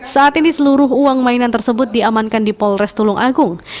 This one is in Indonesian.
saat ini seluruh uang mainan tersebut diamankan di polres tulung agung